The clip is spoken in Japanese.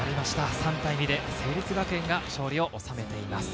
３対２で成立学園が勝利を収めています。